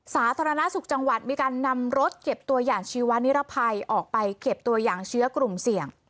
สาธารณสุขจังหวัดมีการนำรถเก็บตัวอย่างชีวนิรภัยออกไปเก็บตัวอย่างเชื้อกลุ่มเสี่ยง